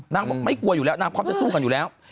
บอกไม่กลัวอยู่แล้วนางพร้อมจะสู้กันอยู่แล้ว